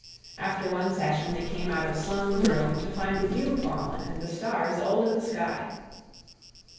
After one session they came out of Sloane's room to find the dew fallen and the stars old in the sky.